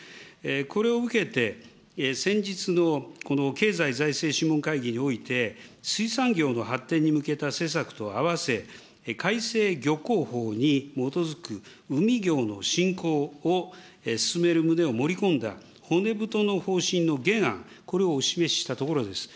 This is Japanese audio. これを受けて、先日の経済財政諮問会議において、水産業の発展に向けた施策とあわせ、改正漁港法に基づく海業の振興を進める旨を盛り込んだ、骨太の方針の原案、これをお示ししたところです。